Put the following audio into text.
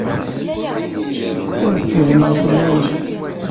Ur ttezzmeɣ fell-awen.